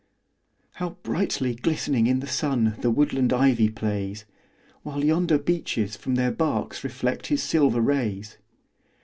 How brightly glistening in the sun The woodland ivy plays! While yonder beeches from their barks Reflect his silver rays.